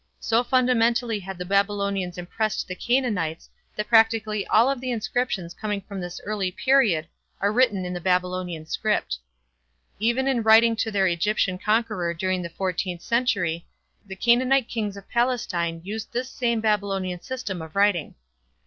So fundamentally had the Babylonians impressed the Canaanites that practically all of the inscriptions coming from this early period are written in the Babylonian script. Even in writing to their Egyptian conqueror during the fourteenth century, the Canaanite kings of Palestine used this same Babylonian system of writing.